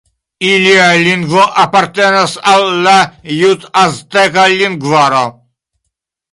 Ilia lingvo apartenas al la jut-azteka lingvaro.